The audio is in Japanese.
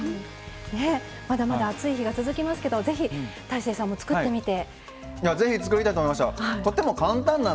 まだまだ暑い日が続きますけど大晴さんも作ってみて。